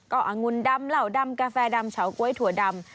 ก็องุ่นดำเหล่าดำกาแฟดำเฉาก๊วยถั่วดำ